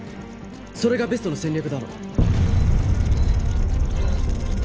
それがベストな戦略だろ。